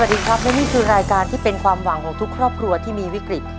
สวัสดีครับและนี่คือรายการที่เป็นความหวังของทุกครอบครัวที่มีวิกฤต